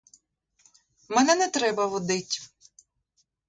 Мене не треба водить.